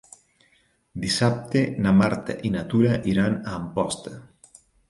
Dissabte na Marta i na Tura iran a Amposta.